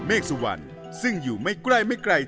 เมฆสุวรรณซึ่งอยู่ไม่ใกล้ไม่ไกล